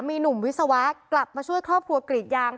มีหนุ่มวิศวะกลับมาช่วยครอบครัวกรีดยาง